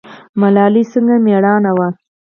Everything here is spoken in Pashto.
ملالۍ څنګه میړنۍ وه؟